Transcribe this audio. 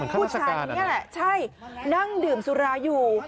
ผู้ชายคนนี้แหละใช่นั่งดื่มสุราอยู่